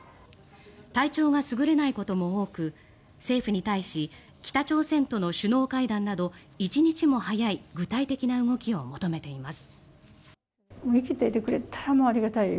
体調が優れないことも多く政府に対し北朝鮮との首脳会談など一日も早い具体的な動きを求めています。